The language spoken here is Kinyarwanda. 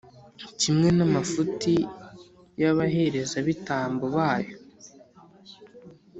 kimwe n’amafuti y’abaherezabitambo bayo;